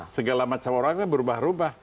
segala macam orangnya berubah rubah